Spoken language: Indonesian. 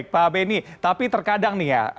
pak benny tapi terkadang nih ya